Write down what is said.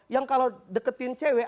yang kalau deketin cewek